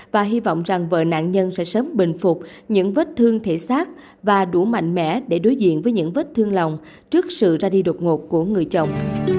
và hy vọng rằng vợ nạn nhân sẽ sớm bình phục những vết thương thể xác và đủ mạnh mẽ để đối diện với những vết thương lòng trước sự ra đi đột ngột của người chồng